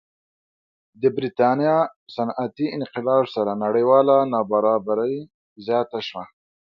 د برېټانیا صنعتي انقلاب سره نړیواله نابرابري زیاته شوه.